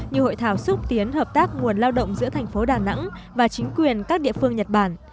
như hội thảo xúc tiến hợp tác nguồn lao động giữa thành phố đà nẵng và chính quyền các địa phương nhật bản